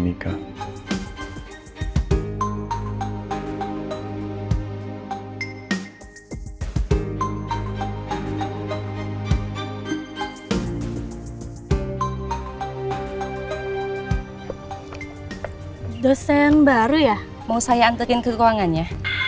mika dosen baru ya mau saya anterin ke keuangannya